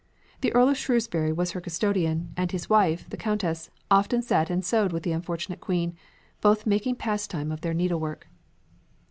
The Earl of Shrewsbury was her custodian, and his wife, the countess, often sat and sewed with the unfortunate queen, both making pastime of their needlework.